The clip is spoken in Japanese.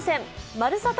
「まるサタ」